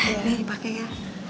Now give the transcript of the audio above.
ini dipake ya